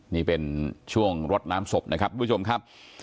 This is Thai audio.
นี่เป็นช่วงรดน้ำศพนะครับทุกผู้ชมครับ